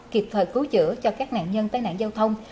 kịp thời cứu chữa cho các nạn nhân tai nạn giao thông